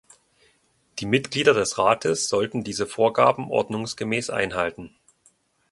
Die Mitglieder des Rates sollten diese Vorgaben ordnungsgemäß einhalten.